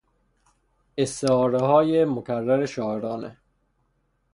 استعارههای مکرر شاعرانه